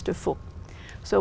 để được chúc mừng